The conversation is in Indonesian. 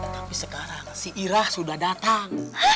tapi sekarang si irah sudah datang